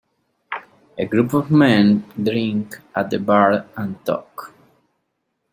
A group of men drink at a bar and talk.